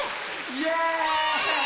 イエーイ！